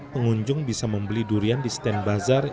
pengunjung bisa membeli durian di stand bazar